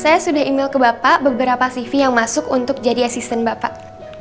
saya sudah email ke bapak beberapa cv yang masuk untuk jadi asisten bapak